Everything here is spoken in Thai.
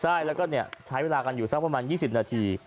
ใช่แล้วก็ใช้เวลากันอยู่สักประมาณ๒๐นาที